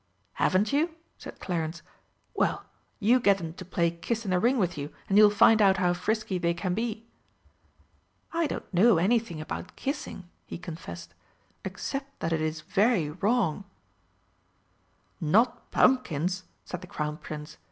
"Haven't you?" said Clarence. "Well, you get 'em to play kiss in the ring with you, and you'll find out how frisky they can be!" "I do not know anything about kissing," he confessed, "except that it is very wrong." "Not pumpkins," said the Crown Prince.